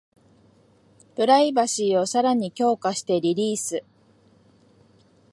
プライバシーをさらに強化してリリース